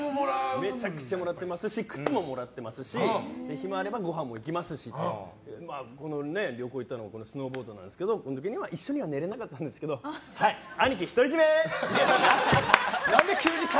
めちゃくちゃもらってますし靴ももらっていますし暇があればごはんも行きますしこれもスノーボードに行った時も一緒には寝れなかったんですけど兄貴独り占め！